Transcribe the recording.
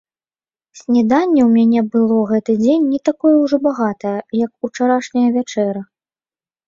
Снеданне ў мяне было гэты дзень не такое ўжо багатае, як учарашняя вячэра.